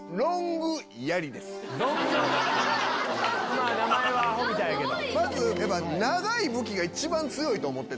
まぁ名前はアホみたいやけど。